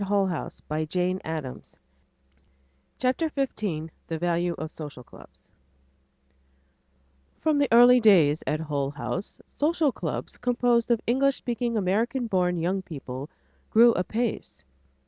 [Editor: Mary Mark Ockerbloom] CHAPTER XV THE VALUE OF SOCIAL CLUBS From the early days at Hull House, social clubs composed of English speaking American born young people grew apace.